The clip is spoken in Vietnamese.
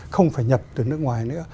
không phải nhập từ nước ngoài